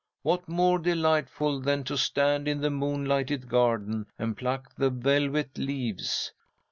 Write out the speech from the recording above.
"What more delightful than to stand in the moonlighted garden and pluck the velvet leaves."